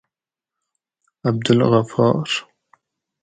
عبدالغفار